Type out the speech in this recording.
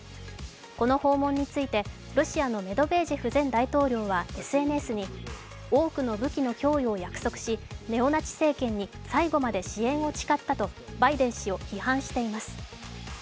この訪問について、ロシアのメドベージェフ前大統領はＳＮＳに、多くの武器の供与を約束しネオナチ政権に最後まで支援を誓ったとバイデン氏を批判しています。